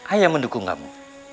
ayah mendukung kamu